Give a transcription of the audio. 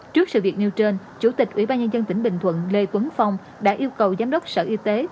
trước sự việc nêu trên chủ tịch ủy ban nhân dân tỉnh bình thuận lê tuấn phong đã yêu cầu giám đốc sở y tế